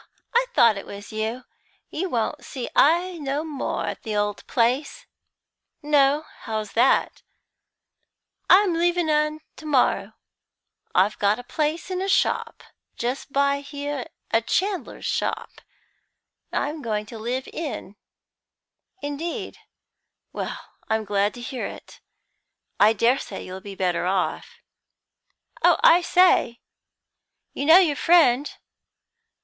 "Oh, I thought it was you! You won't see I no more at the old place." "No? How's that?" "I'm leavin' un to morrow. I've got a place in a shop, just by here, a chandler's shop, and I'm going to live in." "Indeed? Well, I'm glad to hear it. I dare say you'll be better off." "Oh, I say, you know your friend?"